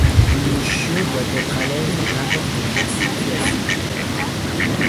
Le chiot doit être à l'aise dans n'importe quelle situation.